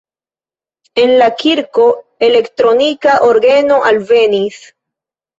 En la kirko elektronika orgeno alvenis.